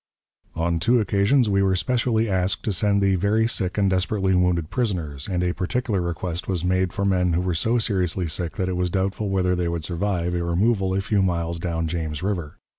On two occasions we were specially asked to send the very sick and desperately wounded prisoners, and a particular request was made for men who were so seriously sick that it was doubtful whether they would survive a removal a few miles down James River.